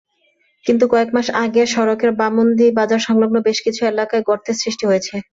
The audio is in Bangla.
কিন্তু কয়েক মাস আগে সড়কের বামন্দী বাজারসংলগ্ন বেশ কিছু এলাকায় গর্তের সৃষ্টি হয়েছে।